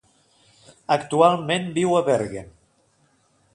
Actualment viu a Bergen.